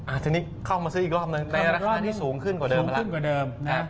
อ่าทีนี้เข้ามาซื้ออีกรอบนึงในราคาที่สูงขึ้นกว่าเดิมละ